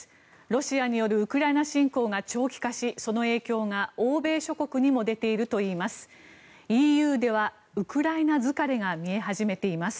ロシアによるウクライナ侵攻が長期化しその影響が欧米諸国にも出ているといいます。